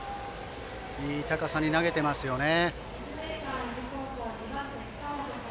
いい高さに投げていますね。